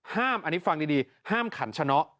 ห้ามอันนี้ฟังดีห้ามขันชะน๊อ